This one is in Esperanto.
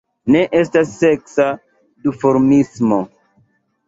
Ne estas seksa duformismo.